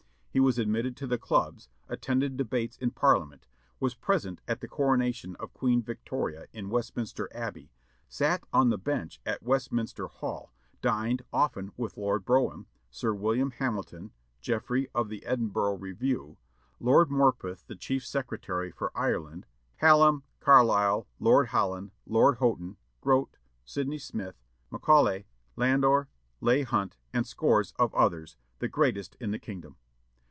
He was admitted to the clubs, attended debates in Parliament, was present at the coronation of Queen Victoria in Westminster Abbey, sat on the bench at Westminster Hall, dined often with Lord Brougham, Sir William Hamilton, Jeffrey of the Edinburgh Review, Lord Morpeth the Chief Secretary for Ireland, Hallam, Carlyle, Lord Holland, Lord Houghton, Grote, Sydney Smith, Macaulay, Landor, Leigh Hunt, and scores of others, the greatest in the kingdom.